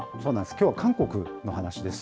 きょうは韓国の話です。